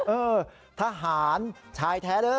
เออทหารชายแท้เด้อ